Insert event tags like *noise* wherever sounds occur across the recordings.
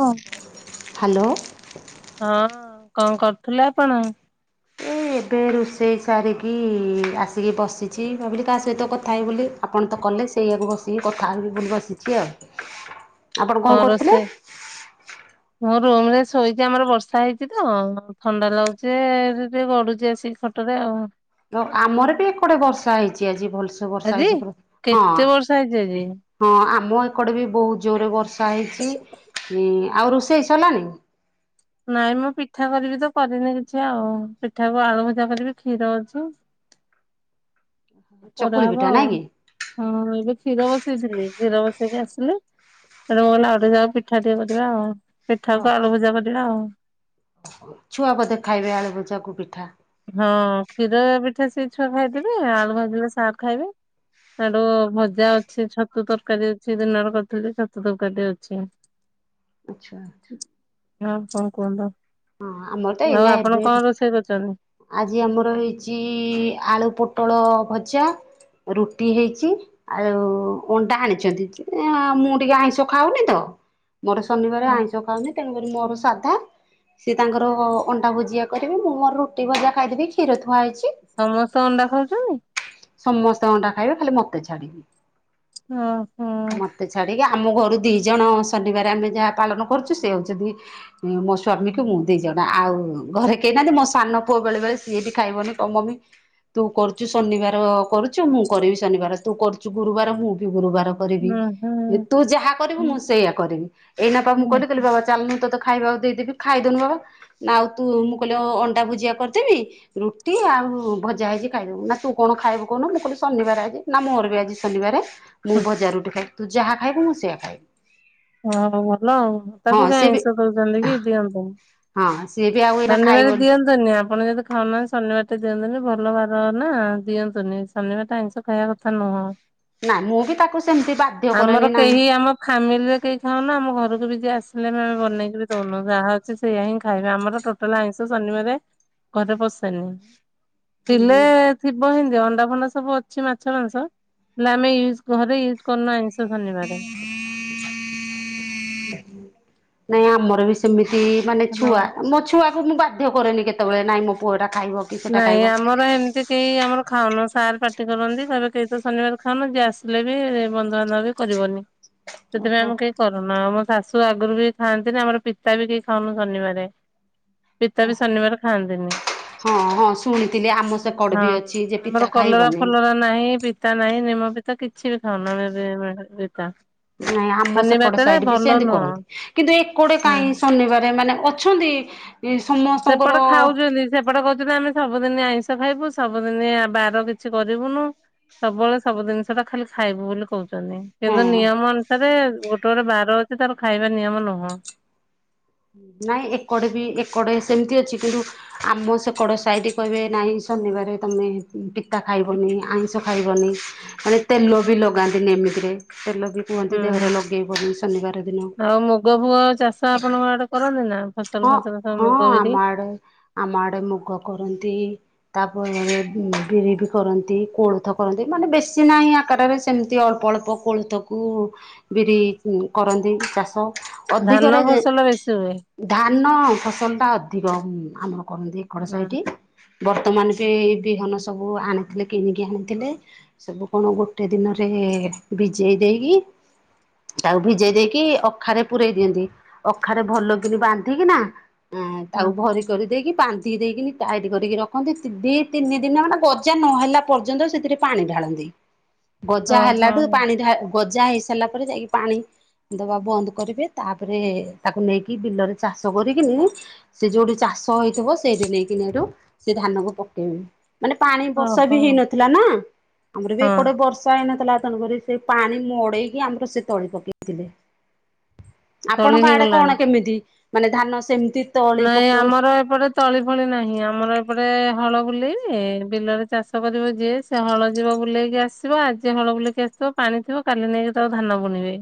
ହୁଁ। ହାଲୋ। ହଁ କଣ କରୁଥିଲେ ଆପଣ? ଏ ଏବେ ରୋଷେଇ ସାରିକି ଆସିକି ବସିଛି ଭାବିଲି କାହା ସହିତ କଥା ହେବି ବୋଲି ଆପଣ ତ କଲେ ସେଇଆକୁ ବସିକି କଥା ହେବି ବୋଲି ବସିଛି ଆଉ। ଆପଣ କଣ କରୁଥିଲେ? ମୋ ରୁମରେ ଶୋଇଚି ଆମର ବର୍ଷା ହେଇଚି ତ ଥଣ୍ଡା ଲାଗୁଚି ଏଇଠି ଟିକେ ଗଡୁଚି ଆସିକି। ଏଇ ଖଟ ରେ ଆଉ। ତ ଆମର ବି ଏ କଡେ ବର୍ଷା ହେଇଚି ଆଜି। ଭଲସେ ବର୍ଷା ଆଜି ହେଇଚି ଏପ୍ଟେ ହଁ କେତେ ବର୍ଷା ହେଇଛି ଆଜି। ହଁ ଆ ଆମ ଏକଡେ ବି ବୋହୁତ ଜୋରରେ ବର୍ଷା ହେଇଚି। ଆଉ ରୋଷେଇ ସଇଲାନି? ନାଇଁ ମୁଁ ପିଠା କରିବି ତ କରିନି କିଛି ଆଉ। ପିଠାକୁ ଆଳୁ ଭଜା କରିବି କ୍ଷୀର ଅଛି। ଚକୁଳି କରାହବ ପିଠା ନାଇଁ ଆଉ କି ହଁ ଏବେ କ୍ଷୀର ବସେଇଥିଲି କ୍ଷୀର ବସେଇକି ଆସିଲି। ହେଟୁ ମୁଁ କହିଲି ଆଉ ଟିକେ ଯାଉ ପିଠା ଟିକେ କରିବା ଆଉ। ପିଠାକୁ ଆଳୁ ଭଜା କରିବା ଆଉ। ଓହୋ ଛୁଆ ବୋଧେ ଖାଇବେ ଆଳୁ ଭଜାକୁ ପିଠା? ହଁ କ୍ଷୀର ପିଠା ସେ ଛୁଆ ଖାଇଦେବେ ଆଳୁ ଭାଜିଲେ ସାର୍ ଖାଇବେ। ସିଆଡୁ ଭଜା ଅଛି ଛତୁ ତରକାରୀ ଅଛି ଦିନରେ କରିଥିଲି ଛତୁ ତରକାରୀ ଅଛି। ଆଚ୍ଛା। ହଁ କଣ କୁହନ୍ତୁ ହଁ ଆମର ତ ଏଇନା ଆଉ ଆପଣ ଏବେ କଣ ରୋଷେଇ କରିଛନ୍ତି? ଆଜି ଆମର ହେଇଛି ଆଳୁ ପୋଟଳ ଭଜା। ରୁଟି ହେଇଛି ଆଉ ଅଣ୍ଡା ଆଣିଛନ୍ତି ମୁଁ ଟିକେ ଆଇଁଷ ଖାଉନି ତ। ମୋର ଶନିବାର ଆଇଁଷ ଖାଉନି ତେଣୁକରି ମୋର ସାଧା। ସେ ତାଙ୍କର ଅଣ୍ଡା ଭୁଜିଆ କରିବେ ମୁଁ ମୋର ରୁଟି ଭଜା ଖାଇଦେବି କ୍ଷୀର ଥୁଆ ହେଇଛି। ସମସ୍ତେ ଅଣ୍ଡା ଖାଉଛନ୍ତି। ସମସ୍ତେ ଅଣ୍ଡା ଖାଇବେ ଖାଲି ମୋତେ ଛାଡିକି। ଓ ହୋ। ମତେ ଛାଡିକି ଆମ ଘରୁ ଦି ଜଣ ଶନିବାର ଆମେ ଯାହା ପାଳନ କରୁଛୁ ସେ ହଉଛନ୍ତି। ସ୍ୱାମୀକୁ ମୁଁ ଦି ଜଣ ଆଉ ଘରେ କେହି ନାହାନ୍ତି ମୋ ସାନ ପୁଅ ବେଳେ ବେଳେ ସିଏ ବି ଖାଇବନି କ ମ- ତୁ କରୁଛୁ ଶନିବାର କରୁଛୁ ମୁଁ କରିବି ଶନିବାର। ତୁ କରୁଛୁ ଗୁରୁବାର ମୁଁ ବି ଗୁରୁବାର - କରିବି। ହୁଁ ତୁ ଯାହା କରିବୁ ମୁଁ ହୁଁ ସେଇଆ କରିବି। ଏଇଆ ତାହାଲେ ମୁଁ କହିଲି ବାବା ଚାଲିଲୁ ତୋତେ - ଖାଇବାକୁ ଦେଇଦେବି। ଖାଇଦଉନୁ ବାବା। ନା ଆଉ ତୁ ଅଣ୍ଡା ଭୁଜିଆ କରିଦେବି ରୁଟି ଆଉ ଭଜା - ଆଜି ଖାଇଦବୁ ନା ତୁ କଣ ଖାଇବୁ କହୁନୁ ମୁଁ କହିଲି ଶନିବାର ଆଜି ନା ମୋର ବି ଆଜି ଶନିବାରେ। ମୁଁ ଭଜା ରୁଟି ଖାଇବି। ତୁ ଯାହା ଖାଇବୁ ମୁଁ ସେଇହା ଖାଇବି। ହଁ ଭଲ ଆଉ ହଁ ତାକୁ ବି ସିଏ ଆଇଁଷ ଦଉଛନ୍ତି କି ଦିଅନ୍ତୁ ନି। ହଁ ସିଏ ବି ଆଉ ଏଇନା ଶନିବାର ଖାଇବନି ଦିଅନ୍ତୁନି ଆପଣ ଯଦି ଖାଉନାହାନ୍ତି ଶନିବାର ଟା - ଦିଅନ୍ତୁନି ଭଲ ବାର ନା ଦିଅନ୍ତୁନି ଶନିବାରଟା ଆଇଁଷ ଖାଇବା କଥା ନୁହଁ। ନା ମୁଁ ବି ତାକୁ ସେମିତି ବାଧ୍ୟ କରେନି ଆମର ନାହିଁ। କେହି ଆମ ଫାମିଲି ରେ କେହି କୁହନା ଆମ ଘରକୁ ଯଦି ଆସି- ହେଲେ ଆ ବନେଇକି ବି ଦଉନୁ ଯାହା ଅଛି ସେଇଆ ହିଁ ଖାଇବେ ଆମର। ଟୋଟାଲ ଆଇଁଷ ଶନିବାର ଘରେ ପଶେନି ଥିଲେ ଥିବ ହେ ଅଣ୍ଡା ଫଣ୍ଡା ସବୁ ଅଛି ମାଛ ମାଂସ ହେଲେ ଆମେ ୟୁଜ୍ ଘରେ ୟୁଜ କରୁନା ଆଇଁଷ। ଧନ୍ୟବାଦ। ନାଇଁ ଆମର ବି ସେମିତି ମାନେ ହ୍ୟାଲୋ। ଛୁଆ ମୋ ଛୁଆକୁ ମୁଁ ବାଧ୍ୟ କରେନି କେତେବେଳେ ନାଇଁ ମୋ ପୁଅ ଏଇଟା ନାଇଁ ଆମର ଏମିତି କେହି ଆମର ଖାଉନୁ। ସାର୍ ପାଟି କରନ୍ତି କହିବେ କେହି ତ ଶନିବାର ଖାଅନୁ ଯିଏ ଆସିଲେ ବି ବନ୍ଧୁବାନ୍ଧବ ବି କରିବନି। ସେଥିପାଇଁ ଓହୋ। ଆମେ କେହି କରୁନା ମ ଶାଶୁ ଆଗରୁ ବି ଖାଆନ୍ତି। ଆମର ପିତା ବି କେହି ଖାଉନୁ ଶନିବାରେ। ଓ ପିତା ବି ଶନିବାର ଖାଆନ୍ତିନି। ହଁ ହଁ ଶୁଣିଥିଲି ଆମ ସେକଡ ବି ହଁ ଅଛି ଯେ ପିତା ଆମର କଲରା ଖାଇବନି। ଫଲରା ନାହିଁ ପିତା ନାହିଁ ନିମ ପି ତା କିଛି ବି ଖାଉନୁ ଆମେ ଏବେ ବେ ପିତା। ନାଇଁ ଆମ ଶନି ସେକଡ ବାରରେ ସାଇଡ ବି ଭଲ ସେନ୍ତି ନୁହଁ କରନ୍ତି କିନ୍ତୁ ଏକଡେ ହୁଁ। କାଇଁ ଶନିବାର ମାନେ ଅଛନ୍ତି ସମସ୍ତଙ୍କର ସେପଟେ ଖାଉଚନ୍ତି ସେପଟେ କୋହୁଚନ୍ତି ଆମେ ସବୁଦିନି ଆଇଁଷ ଖାଇବୁ ସବୁଦିନି ବାର କିଛି କରିବୁନୁ। ସବୁବେଳେ ସବୁ ଜିନିଷ ଟା ଖାଲି ଖାଇବୁ ବୋଲି କହୁ ହଁ କିନ୍ତୁ ନିୟମ ଅନୁସାରେ ଗୋଟେ-ଗୋଟେ ବାର ଅଛି ତାର ଖାଇବା ନିୟମ ନୁହଁ। ନାଇଁ ଏକଡେ ବି ଏକଡେ ସେମିତି ଅଛି କିନ୍ତୁ ଆମ ସେକଡ ସାଇଡ କହିବେ ନାଇଁ ଶନିବାରେ ତମେ ପିତା ଖାଇବନି ଆଇଁଷ ଖାଇବନି ମାନେ ତେଲ ବି ଲଗାନ୍ତିନି ଏମିତିରେ ତେଲ ବି କୁହନ୍ତି ହୁଁ ଦେହରେ ଲଗେଇବନି ଶନିବାର ଦିନ। ଆଉ ମୁଗ ଫୁଗ ଚାଷ ଆପଣଙ୍କ ଆଡେ କରନ୍ତି ନା ଫସଲ ଫସଲ ସବୁ ହଁ-ହଁ ମୁଗ ବିରି ଆମ ଆଡେ ଆମ ଆଡେ ମୁଗ କରନ୍ତି। ତାପରେ ବିରି ବି କରନ୍ତି କୋଳଥ କରନ୍ତି ମାନେ ବେଶୀ ନାହିଁ ଆକାରରେ ସେମିତି ଅଳ୍ପ ଅଳ୍ପ ଅଳ୍ପ କୋଳଥକୁ ବିରି କରନ୍ତି ଚାଷ ଧାନ ଅଧିକରେ ଫସଲ ବେଶୀ ହୁଏ। ଧାନ ଫସଲଟା ଅଧିକ ଆମର। କରନ୍ତି ଏକଡ ହୁଁ। ସାହିଟି ବର୍ତ୍ତମାନ ବି-ବିହନ ସବୁ ସବୁ ଆଣିଥିଲେ କିଣିକି ଆଣିଥିଲେ ସବୁ କଣ ଗୋଟେ ଦିନରେ ଭିଜେଇ ଦେଇକି ତାକୁ ଭିଜେଇ ଦେଇକି ଅଖାରେ ପୂରେଇ ଦିଅନ୍ତି ଅଖାରେ ଭଲ ବାନ୍ଧିକି ନା ତାକୁ ଭରି କରି ଦେଇେଇକି ବାନ୍ଧି ଦେଇକିନି ଟାଇଟ୍ କରିକି ରଖନ୍ତି ଦି ତିନି ଦିନ ମାନେ ଗଜା ନହେଲା ପର୍ଯ୍ୟନ୍ତ ସେଥିରେ ପାଣି ଢାଳନ୍ତି ହଁ ଗଜା ହଁ। ହେଲାଠୁ ପାଣି ଗଜା ହେଇସାରିଲା ପରେ ଯାଇକି ପାଣି ଦବା ବନ୍ଦ କରିବେ ତାପରେ ତାକୁ ନେଇକି ଏଇବିଲରେ ଚାଷ କରିକିନି ସେ ଯୋଉଠି ଚାଷ ହେଇଥିବ ସେଇଠି ନେଇକିନି ଏଠୁ ସେ ଧାନକୁ ପକେ ହୁଉମାନେ ପାଣି ବର୍ଷା ବି ଓହୋ ହେଇନଥିଲା ନା ଆମର ବି ହଁ ଏଡେ ବର୍ଷା ହେଇନ ପଲା ତେଣୁ ସେ ପାଣି ମଡେଇକି ଆମର ସେ ତଳି ପକେଇଥିଲେ। ତଳି ଆପଣଙ୍କ ଆଡେ କଣ ହେଇଗଲାଣି। କେମିତି ମାନେ ଧାନ ସେମିତି ତଳି ନାଇଁ ପକଉ ଆମର ଏପଟେ ତଳି ଭଳି ନାହିଁ ଆମର ଏପଟେ ହଳ ବୁଲେଇ ବେ ବିଲରେ ଚାଷ କରିବ ଯିଏ ସେ ହଳ ଯିବ ବୁଲେଇକି ଆସିବ ଆଜି ହଳ ବୁଲକି ଆସିବ ପା ଆଣିଥିବ କାଲି ନେଇକି ତାକୁ ଧାନ ବୁଣିବେ।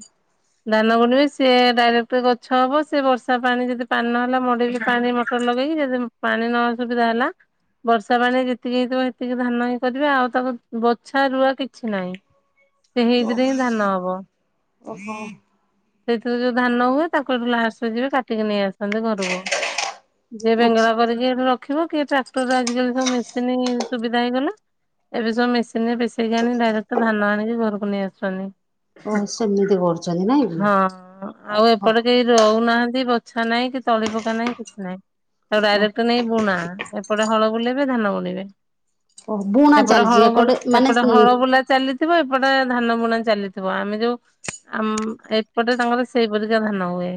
ଧାନ ବୁଣିବେ ସେ ଡାଇରେକ୍ଟ ଗଛ ହବ ସି ବର୍ଷା ପାଣି ଯଦି ପାଣି ନହେଲା ମ ପାଣି ମଟର ଲଗେଇକି ଯଦି ପାଣି ନସୁବିଧା ହେଲା ବର୍ଷା ପାଣି ଯେତିକି ହେଇଥିବ ସେତିକି ଧାନ ହଇ କରିବେ ଆଉ ତାକୁ ବଛା ରୁଆ କିଛି ନାହିଁ। ସେ ହେଇଥିରେ ହିଁ ଧାନ ହବ। ସେଇଥିରେ ଯୋଉ ଧାନ ହୁଏ ତାକୁଠୁ ଲାସ୍ ଯିବେ କାଟିକି ନେଇ ଆସନ୍ତି ଘରକୁ। ଯିଏ ଅଛି। ବେଙ୍ଗଳା କରିକି ର କି ଟ୍ରାକ୍ଟର ଆଜି କାଲି ମେସିନ୍ ସୁବିଧା ହେଇଗଲା ଏବେ ସବୁ ମେସି ସିନେ ପିଶେକି ଆଣି ଡାଇରେକ୍ଟ ଧାନ ଆଣିକି ଘରକୁ ନେଇ ଆସୁଛନ୍ତି। ଓ ସେମିତି କରୁଛନ୍ତି ନାଇଁ କି ହଁ ଓ ଆଉ ଏପଟେ ଓ କେହି ରହୁନାହାନ୍ତି। ବଛା ନାଇଁ କି ତଳି ପକା ନାଇଁ କିଛି ନାଇଁ ଡାଇରେକ୍ଟ ନେଇ ବୁଣା ଏପଟେ ହଳ ବୁଲେଇବେ ଧାନ ବୁଣିବେ। ଓ ବୁଣା ଏପଟେ ଚାଲିଛି ହଳ ବୁଲା ଏକଡେ ଏପଟେ ମାନେ ହଳ ବୁଲା ଚାଲିଥିବ ଏପଟେ ଧାନ ବୁଣା ଚାଲିଥିବ ଆମେ ଯୋଉ ଆମ ଏପଟେ ତାଙ୍କର ସେଇପରିିକା ଧାନ ହୁଏ।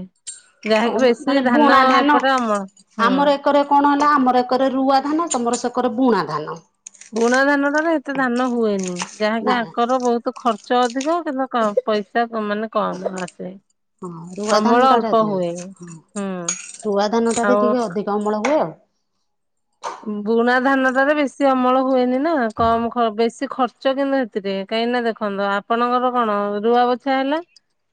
ଓହୋ ଯାହାକ ବେଶୀ ମାନେ ବୁଣା ଧାନ ଏପଟେ ଅମଳ ହୁଁ। ଆମର ଏକରେ କଣ ହେଲା ଆମର ଏକରେ ରୁଆ ଧାନ ତମର ସେକରେ ବୁଣା ଧାନ। ବୁଣା ଧାନଟାରେ ଏତେଧାନ ହୁଏନି ଯାହାକି ନା ହଁ ଆଙ୍କର ବହୁତ ଖର୍ଚ୍ଚ ଚ ଅଧିକ କିନ୍ତ କ ପଇସା ମାନେ କମ୍ ଆସେ। ହଁ ରୁଆ ଅମଳ ଧାନ ଅଳ୍ପ ଟାରେ ହୁଏ ହୁଁ ଶୁଆ ଧାନ ଟାରେ ଆଉ ଟିକେ ଅଧିକ ଅମଳ ହୁଏ ଆଉ। ବୁଣା ଧାନଟାରେ ବେଶୀ ଅମଳ ହୁଏନି ନା କମ୍ ବେଶୀ ଖର୍ଚ୍ଚ କିନ୍ତୁ ଏଥିରେ କ ଏନାଦେଖନ୍ତ ଆପଣଙ୍କର କଣ ରୁଆ ବଛା ହେଲା।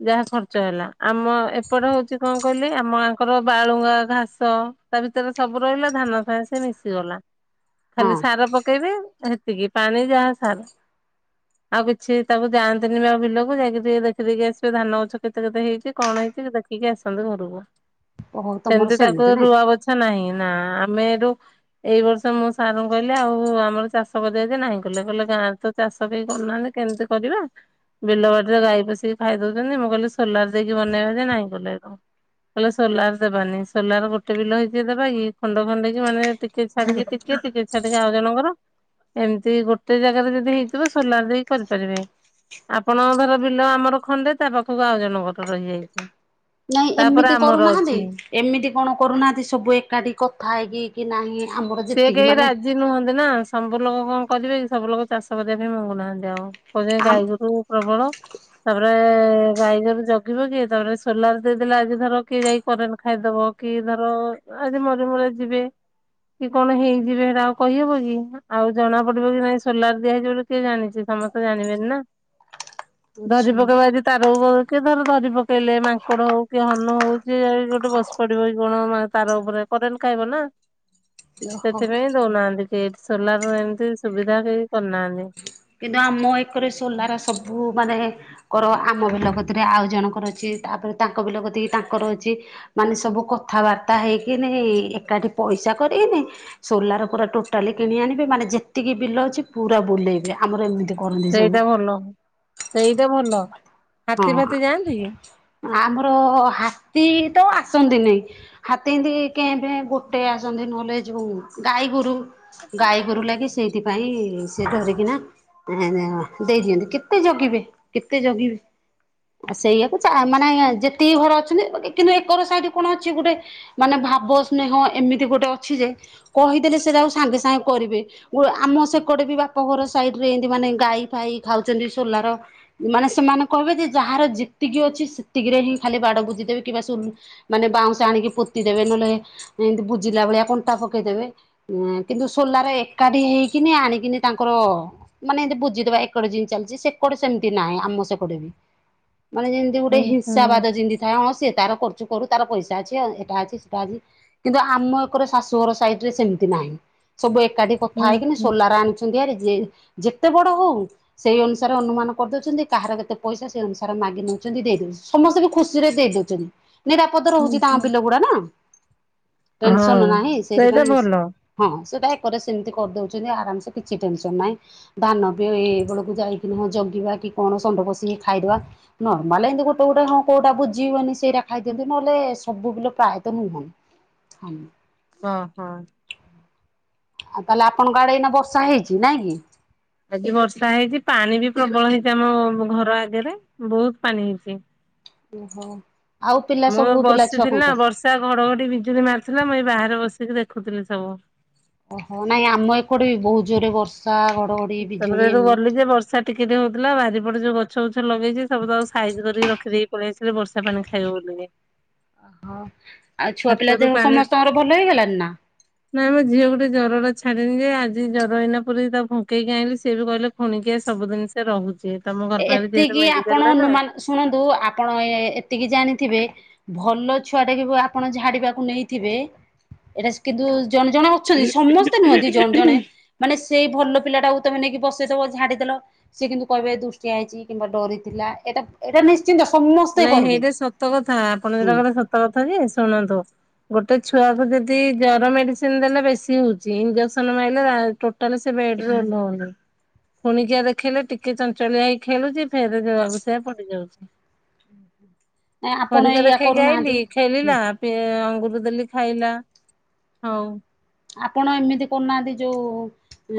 ଯାହା ଖର୍ଚ୍ଚ ହେଲା ଆମ ଏପଟେ ହଉଛି କଣ କହିଲି ଆମଙ୍କର ବାଳୁଙ୍ଗା ଘାସ ତା ଭିତରେ ସବୁ ରହିଲା ଧାନ ଫ ସେ ମିଶିଗଲା ହଁ ଖାଲି ସାର ପକେଇବେ ସେତିକି ପାଣି ଯାହା ସାର ଆଉ କିଛି ତାକୁ ଯାଆନ୍ତିନି ଆଉ ବିଲକୁ ଯାଇକି ଟିକେ ଦେଖିଦେକି ଆସିବେ ଧାନ ଗଛ କେତେ-କେତେ ହେଇଛି କଣ ଦେଖିକି ଆସନ୍ତୁ ଘରକୁ ଓହୋ ତମର ସେମିତି ତାକୁ ନାଇଁ ରୁଆ ବଛା ନାହିଁ। ନା ଆମେ ରୁ ଏଇ ବର୍ଷ ମୁଁ ସାର୍ ଙ୍କୁ କହିଲେ ଆଉ ଆମର ଚାଷ କରିଦବା ଯେ ନାହିଁ କଲେ କହିଲେ ଗାଁରେ ତ ଚାଷ ବି କ ନାହାଁନ୍ତି କେମିତି କରିବା। ବିଲ ବାଡିରେ ଗାଈ ପୋଷିକି ଖାଇଦୋଉଚନ୍ତି ମୁଁ କହିଲି ସୋଲାର ଦେଇକି ମନେଇବା ନାଇଁ କଲେ ହେଟୁ। କଲେ ସୋଲାର ଦେବାନି ସୋଲାର ଗୋଟେ ବିଲ ହେଇକ ଦେବା କି ଖଣ୍ଡ ଖଣ୍ଡେଇକି ମାନେ ଟିକେ ଛାଡିକି ଟିକେ ଟିକେ ଛାଡିକି ଆଉ ଜଣଙ୍କର ଏମିତି ଗୋଟେ ଜାଗାରେ ଯଦି ହେଇଥିବ ସୋଲାର ଦେଇକି କରିପାରିବେ। ଆପଣଙ୍କ ଧର ବିଲ ଆମର ଖଣ୍ଡେ ତା ପାଖକୁ ଆଉ ଜଣଙ୍କର ରହିଯାଇଚି। ନାଇଁ ଏମିତି କରୁନାହାନ୍ତି ଏମିତି କଣ କରୁନାହାନ୍ତି ସବୁ ଏକାଠି କଥା ହେଇକି କି ନାହିଁ। ଆମର ସେ ଯେତିକି କେହି ମାନେ ରାଜି ନୁହନ୍ତି ନା ସବୁ ଲୋକ କଣ କରିବେ କି ସବୁ ଲୋକ ଚାଷ କରିବା ପାଇଁ ମଙ୍ଗୁନାହାନ୍ତି ଆଉ ଆମ ଗାଈଗୋରୁ ପ୍ରବଳ ତାପରେ ଗାଈଗୋରୁ ଜଗିବ କିଏ ତାପରେ ସୋଲାର ଦେଇଦେଲେ ଆଜି ଧର କିଏ ଯାଇକ୍ କରେଟ୍ ଖାଇଦବ କି ଧର ଆଜି ମରି ମୁରା ଯିବେ। କି କଣ ହେଇଯିବେ। ସେଇଟା ଆଉ କହିହବ କି ଆଉ ଜଣା ପଡିବ କି ନାଇଁ ସୋଲାର ଦିଆ ହେଇଯିବ କିଏ ଜାଣିଚି ସମସ୍ତେ ଜାଣିବେନି ନା ଧରି ଆଛା ପକେଇବା ଆଜି ତାରକୁ କେଏ ଥର ଧରି ପକେଇଲେ ମାଙ୍କଡ ହଉ କି ହନୁ ହଉ ଯ ଗୋଟେ ବସି ପଡିବ କଣ ତାର ଉପରେ କରେଟ୍ ଖାଇବ ନା ଓହୋ ସେଥିପାଇଁ ଦୋଉନାହାନ୍ତି କେ ସୋଲାର ଏମିତି ସୁବିଧା କେହୀ କିନ୍ତୁ ଆମ ଏକରେ ସୋଲାର ସବୁ ମାନେ କର ଆମ ବିଲ କତିରେ ଆଉ ଜଣଙ୍କର ଅଛି। ତାପରେ ତାଙ୍କ ବିଲଗତିକି ତାଙ୍କର ଅଛି। ମାନେ ସବୁ କଥାବାର୍ତ୍ତା ତା ହେଇକି ଏକାଠି ପଇସା କରିକିନି ସୋଲାର ପରା ଟୋଟାଲି କି ଆଣିବେ ମାନେ ଯେତ କି ବିଲ ଅଛି ପୁରା ବୁଲେଇବେ ଆମର ଏମିତି କରନ୍ତି ସବୁ। ସେଇଟା ଭଲ ସେଇଟା ଭଲ। ହାତୀ ଫାତି ଯାଆନ୍ତି କି? ହଁ ଆମର ହାତୀ ତ ଆ ଆସନ୍ତିନି ହାତୀ ଏନ୍ତି କେ ଭେ ଗୋଟେ ଆସନ୍ତି ନହେଲେ ଯୋଉ ଗାଈ ଗୋରୁ ଗାଈ ଗୋରୁ ଲାଗି ସେଇଥିପାଇଁ ସେ ଧରିକିନା ଦେଇଦିଅନ୍ତି କେତେ କେତେ ଜଗିବେ କେତେ ଜଗିବେ। *inaudible* ଆ ସେଇଆାକୁ ମାନେ ଯେତିକି ଘର ଅଛନ୍ତି। ବାକି କିନ୍ତୁ ଏକର ସାଇଡ କଣ ଅଛି ଗୋଟେ ମାନେ ଭାବ ସ୍ନେହ ଏମିତି ଗୋଟେ ଅଛି ଯେ କହିଦେଲେ ସେଟା ଆଉ ସାଙ୍ଗେ ସାଙ୍ଗେ କରିବେ ଆମ ସେ କଡେ ବି ବାପ ଘର ସାଇଡ ରେ ଏମତି ମାନେ ଗାଈ ଫାଇ ଖାଉଛନ୍ତି ସୋଲାର ମାନେ ସେମାନେ କହିବେ ଯେ ଯାହାର ଯେତିକି ଅଛି ସେତିକିରେ ହିଁ ଖାଲି ବାଡ ବୁଝିଦେବେ କିବା ମାନେ ବାଉଁଶ ଆଣିକି ପୋତି ଦେବେ ନହେଲେ ଏମତି ଜିଲା ଭଳିଆ କଣ୍ଟା ପକେଇଦେବେ କିନ୍ତୁ ସୋଲାର ଏକାଠି ହେଇକିନି ଆଣିକିନି ତାଙ୍କର ମାନେ ଏମିତି ବୁଝିଦବା ଏକଡ ଜିନି ଚାଲିଛି ସେକଡ ସେମିତି ନାହିଁ ଆମ ସେ ପେଟ ବି ମାନେ ଯେମତି ଗୋଟେ ହୁଁ ହୁଁ ହିଂସାବାଦ ଯେମିତି ଥାଏ କଣ ସ ତାର କର। କରୁ ତାର ପଇସା ଅଛି ଏଟା ଅଛି ସେଟା ଅଛି କିନ୍ତୁ ଆମ ଏକର ଶାଶୁ ଘର ସାଇଡ ରେ ସେମିତି ନାହିଁ। ସବୁ ଏକାଠି କଥା ହୁଁ ହେଇକି ହୁଁ ସୋଲାର ଆଣିଛନ୍ତି ଭାରି। ଯେତେ ବଡ ହଉ ସେଇ ଅନୁସାରେ ଅନୁମାନ କରିଦୋଉଚନ୍ତି କାହାର କେତେ କେତେ ପଇସା ସେ ଅନୁସାରେ ମାଗି ନୋଉଚନ୍ତି ଦେଇଦୋଉଚନ୍ତି ସମସ୍ତେ ବି ଖୁସି ରେ ଦେଇଦୋଉଚନ୍ତି। ନିରାପଦ ରୋହୁଚି ହୁଁ ତାଙ୍କ ହୁଁ ବିଲଗୁଡା ନା। ହଁ ତେନସନ୍ ନାହିଁ ସେଇଟା ସେଇଥିପାଇଁ ଭଲ। ହଁ ସେଟା ସେମିତି କରିଦୋଉଚନ୍ତି ଆରାମସ କିଛି ଟେନସନ ନାହିଁ ଧାନ ବି ଏଇ ବେଳକୁ ଯାଇକି ହଁ ଜଗିବା କି କଣ ଷଣ୍ଢ ପଶି କି ଖାଇଦବା ନର୍ମାଲ ଏମିତୀ ଗୋଟେ ଗୋଟ ହଁ କୋଉଟା ବୁଜୀବନୀ ସେଇଟା ଖାଇଦିଅନ୍ତି ନହଲେ ସବୁ ବିଲ ପ୍ରାୟେ ତ ନୁହଁ ହଁ। ଅହଁ। ଆଉ ତାହେଲେ ଆପଣଙ୍କ ଆଡେ ଏଇନା ବର୍ଷା ହେଇଚି ନାଇଁ କି ଆଜି ବର୍ଷା ହେଇଚି ପାଣି ବି ପ୍ରବଳ ହେଇଚି ଆମ ଘର ଆଗରେ ବହୁତ ପାଣି ହେଇଚି। ଓହୋ। ଆଉ ପିଲା ମୁଁ ସବୁ ପିଲା ଛୁଆ କଣ ବସିଥିଲା କରୁଛନ୍ତି? ବର୍ଷା ଘଡଘଡି ବିଜୁଳି ମାରିଥିଲା ମୁଁ ଏଇ ବାହାରେ ବସିକି ଦେଖି ଦେଖୁଥିଲି ସବୁ। ଓହୋ ନାଇଁ ଆମ ଏକୁଟେ ବି ବହୁତ ଜୋରେ ବର୍ଷ ତାପରେ ହେଠୁ ଗଲି ଯେ ବର୍ଷା ଟିକେ ଟିକେ ହଉଥିଲା ବାରିପଟେ ଯୋଉ ଗଛ ଗୁଛି ଲଗେଇଛି ସବୁ ତକ ସାଇଜ କରିକି ରଖିଦେଇକି ପଳେଇଆସିଲି ବର୍ଷା ପାଣି ଖାଇବ ବୋଲି। *inaudible* ଅ ହୋ। ଆଉ ଛୁଆ ପିଲା ଦେହ ପାଣି ସମସ୍ତଙ୍କର ଭଲ ହେଇଗଲଣି ନା। ଛାଡ଼ିନି ଯେ ଆଜି ଜରଇନା ପୁରୀ ତା ତ ଫୁଙ୍କେଇକି ଆଣିଲି ସେିଏ ବି କହିଲେ ଖୁଣିକିଆ ସବୁିଦିନସେ ରହୁଛି। ତମ ଘର ପାଖରେ ଯେହେତୁ ଏତିକି ମେଡିକାଲ ଆପଣ ଟା ନା ଅନୁମାନ ଶୁଣନ୍ତୁ ଆପଣ ଏତିକି ଜାଣିଥିବେ ଭଲ ଛୁଆ ଟା କି ଆପଣ ଝାଡିବାକୁ ନେଇଥିବେ ଏଇଟା କିନ୍ତୁ ଜଣେ ଜଣେ ଅଛନ୍ତି ସମସ୍ତେ ନୁହଁନ୍ତି ଜଣେ ଜଣେ ମାନେ ସେଇ ଭଲ ପିଲାଟାକୁ ତମେ ନେଇକି ବସେଇଥବ ଝାଡିଦେଲ ସିଏ କିନ୍ତୁ କହିବେ ଦୃଷ୍ଟି ହେଇଛି କିମ୍ବା ଡରି ଥିଲା ଏଇଟା ଏଇଟା ନି ନାଇଁ ହେଇଟା ସତ କଥା ଆପଣ ଯୋଉଟା ହୁଁ କହିଲେ ସତ କଥା ଯେ ଶୁଣନ୍ତୁ ଗୋ ଟେ ଛୁଆକୁ ଯଦି ଜର ମେଡିସିନ ଦେଲେ ବେଶୀ ହଉଛି ଇଞ୍ଜେକ୍ସନ ମାଇଲେ ଟୋଟାଲ ସେ ବେଡରେ ଓହ୍ଲଉନି। ଖୁଣିକିଆ ଦେଖିଲେ ଟିକେ ଚଞ୍ଚଳିଆ ହେଇ ଖେଳୁଛି ଫେରେ ଯଉଆକୁ ସେଇଆ ପଡିଯାଉଛି। ନାଇଁ ଆପଣ ଖରିକା ଏଇଆ ଦେଖେଇକି କରୁନାହାନ୍ତି ଆଇଲିି ହୁଁ ଖେଳିଲା ଅଙ୍ଗ ଦେଲି ଖାଇଲା ହଉ। ଆପଣ ଏମିତି କରୁନାହାନ୍ତି ଯଉ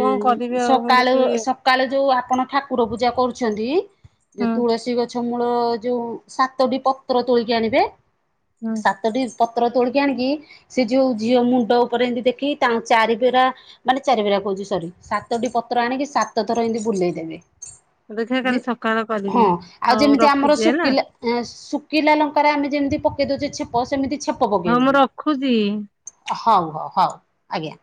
ଇଁ କଣ ଇଁ କରିବି ଆଉ ମୁଁ ସକାଳ କିଛି ସକାଳୁ ଯୋଉ ଆପଣ ଠାକୁର ପୂଜା କରୁଛନ୍ତି ଯୋଉ ହୁଁ ତୁଳସୀ ଗଛ ମୂଳ ଯୋଉ ସାତଟି ପତ୍ର ତୋଳିକି ଆଣିବେ ହୁଁ ସାତଟି ପତ୍ର ତୋଳିକି ଆଣିକି ସେ ଯୋଉ ଝିଅ ମୁଣ୍ଡ ଉପରେ ଏମିତି ଦେଖ କି ତାଙ୍କ ଚାରିଭେରା ମାନେ ଚାରିଭେରା କହୁଛି ସରି ସାତଟି ପତ୍ର ଆଣିକି ସାତ ଥର ଏମିତି ବୁଲେଇ ଦେବେ। ଦେଖିବେ ଯେ କାଲି ସକାଳ ହଁ କରିବି ଆଉ ହଉ ଯେମିତି ଆମର ରଖୁଛି ହେଲା ଶୁଖିଲା ଶୁଖିଲା ଲଙ୍କାରେ ଆମେ ଯେମିତି କେଦୁଛି ଛେପ ସେମିତି ଛେପ ହଉ ମୁଁ ପକେଇବନି ରଖୁଛି। ହଉ। ହ ହଉ ଆଜ୍ଞା।